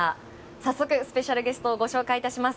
早速スペシャルゲストをご紹介します。